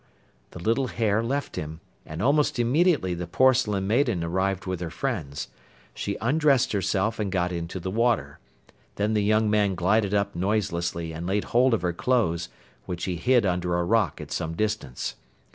The little hare left him, and almost immediately the Porcelain Maiden arrived with her friends. She undressed herself and got into the water. Then the young man glided up noiselessly and laid hold of her clothes, which he hid under a rock at some distance.